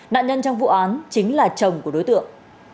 nạn nhân trong vụ án chính là chồng của đối tượng